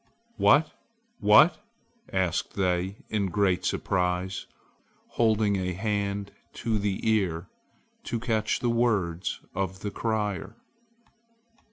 "What? what?" asked they in great surprise, holding a hand to the ear to catch the words of the crier.